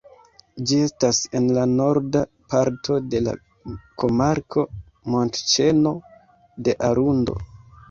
Ĝi estas en la norda parto de la komarko Montĉeno de Arundo.